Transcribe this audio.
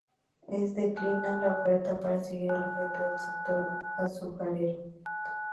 El declina la oferta para seguir al frente del sector azucarero.